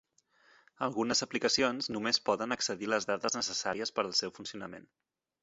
Algunes aplicacions només poden accedir a les dades necessàries per al seu funcionament.